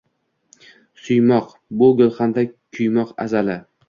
Suymoq — bu gulxanda kuymoq azali